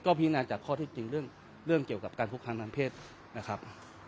ก็พิจารณาจากข้อที่จริงเรื่องเรื่องเกี่ยวกับการคุกคลามทางเพศนะครับ